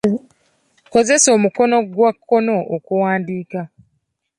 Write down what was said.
Nkozesa omukono gwa kkono okuwandiika.